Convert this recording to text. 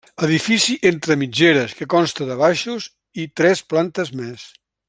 Edifici entre mitgeres que consta de baixos i tres plantes més.